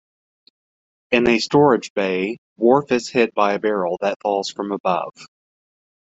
In a storage bay, Worf is hit by a barrel that falls from above.